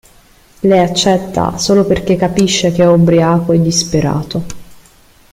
Lei accetta solo perché capisce che è ubriaco e disperato.